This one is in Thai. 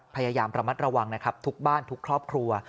พยายามระมัดระวังนะครับทุกบ้านทุกครอบครัว